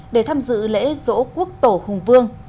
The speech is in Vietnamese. để tham dự lễ rỗ quốc tổ hùng vương